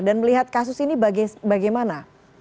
dan melihat kasus ini bagaimana